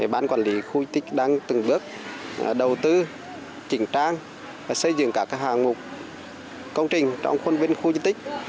ban quản lý khu di tích đang từng bước đầu tư chỉnh trang xây dựng các hàng mục công trình trong khuôn viên khu di tích